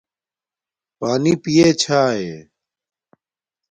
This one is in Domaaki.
پݳنݵ پیݺ چھݳئݺ؟